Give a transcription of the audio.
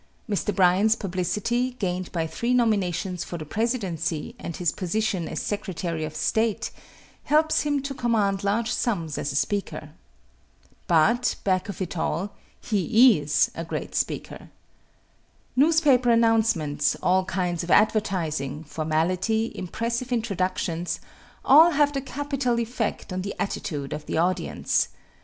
Mr. Bryan's publicity, gained by three nominations for the presidency and his position as Secretary of State, helps him to command large sums as a speaker. But back of it all, he is a great speaker. Newspaper announcements, all kinds of advertising, formality, impressive introductions, all have a capital effect on the attitude of the audience.